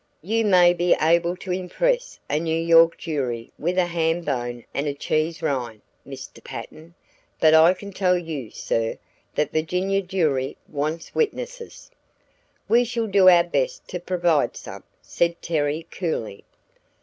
You may be able to impress a New York jury with a ham bone and a cheese rind, Mr. Patten, but I can tell you, sir, that a Virginia jury wants witnesses." "We shall do our best to provide some," said Terry, coolly.